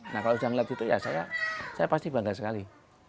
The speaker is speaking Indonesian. nah kalau saya ngeliat gitu ya saya pasti bangga sekali